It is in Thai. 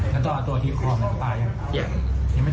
ช่วยตัวเองขึ้นมาแบบลุกขึ้นมาอย่างนี้ครับ